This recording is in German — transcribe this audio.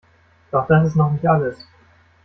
Doch das ist noch nicht alles.